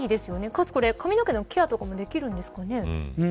かつ、髪の毛のケアとかできるんですかね。